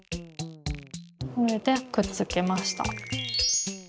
これでくっつきました。